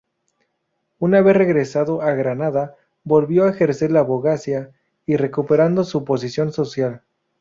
Una vez regresado a Granada, volvió a ejercer la abogacía, recuperando su posición social.